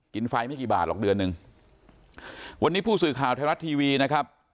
ไฟไม่กี่บาทหรอกเดือนหนึ่งวันนี้ผู้สื่อข่าวไทยรัฐทีวีนะครับ